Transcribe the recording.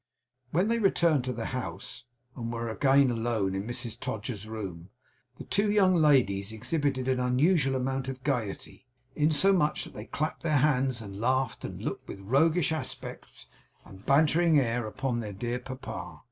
When they returned into the house, and were again alone in Mrs Todgers's room, the two young ladies exhibited an unusual amount of gaiety; insomuch that they clapped their hands, and laughed, and looked with roguish aspects and a bantering air upon their dear papa.